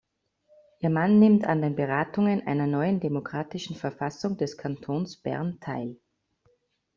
Ihr Mann nimmt an den Beratungen einer neuen, demokratischen Verfassung des Kantons Bern teil.